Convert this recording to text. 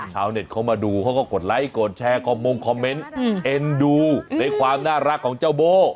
ชาวเน็ตเขามาดูเขาก็กดไลค์กดแชร์คอมมงคอมเมนต์เอ็นดูในความน่ารักของเจ้าโบ้